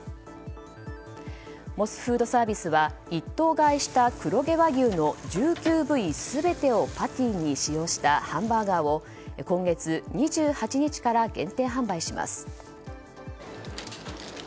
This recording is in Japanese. モスフードサービスは一頭買いした黒毛和牛の１９部位全てをパティに使用したハンバーガーを今月２８日から限定販売します。